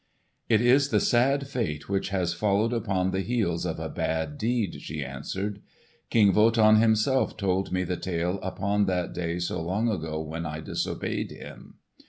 "It is the sad fate which has followed upon the heels of a bad deed," she answered. "King Wotan himself told me the tale upon that day so long ago when I disobeyed him."